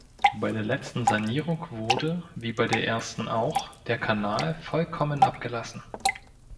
Bei der letzten Sanierung wurde, wie bei der ersten auch, der Kanal vollkommen abgelassen.